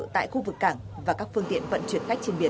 tại khu vực cảng và các phương tiện vận chuyển khách trên biển